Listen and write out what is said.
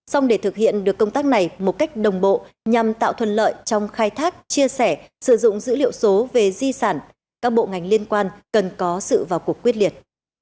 sử dụng dữ liệu số về di sản các bộ ngành liên quan cần có sự vào cuộc quyết liệt